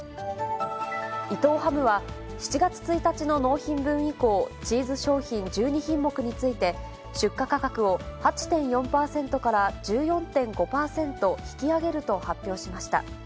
伊藤ハムは、７月１日の納品分以降、チーズ商品１２品目について、出荷価格を８．４％から１４．５％引き上げると発表しました。